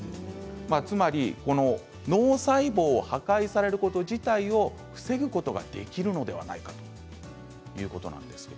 つまり脳細胞が破壊されること自体を防ぐことができるのではないかということなんです。